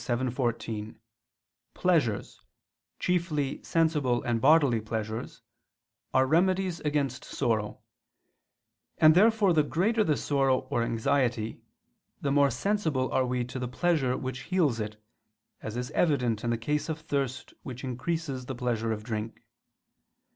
vii, 14), pleasures, chiefly sensible and bodily pleasures, are remedies against sorrow: and therefore the greater the sorrow or anxiety, the more sensible are we to the pleasure which heals it, as is evident in the case of thirst which increases the pleasure of drink.